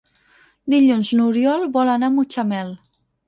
Dilluns n'Oriol vol anar a Mutxamel.